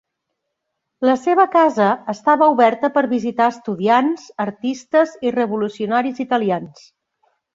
La seva casa estava oberta per visitar estudiants, artistes i revolucionaris italians.